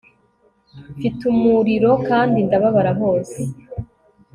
mfite umuriro kandi ndababara hose